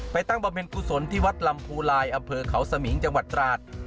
ตั้งบำเพ็ญกุศลที่วัดลำภูลายอำเภอเขาสมิงจังหวัดตราด